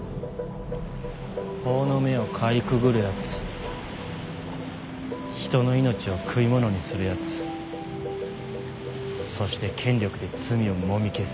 法の目をかいくぐるやつ人の命を食い物にするやつそして権力で罪をもみ消すやつ。